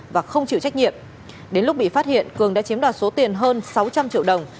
và không chịu trách nhiệm đến lúc bị phát hiện cường đã chiếm đoạt số tiền hơn sáu trăm linh triệu đồng